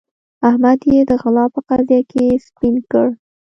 احمد يې د غلا په قضيه کې سپين کړ.